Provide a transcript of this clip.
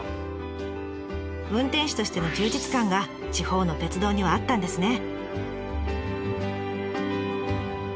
運転士としての充実感が地方の鉄道にはあったんですね。